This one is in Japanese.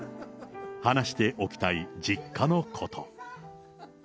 話しておきたい実家のこと。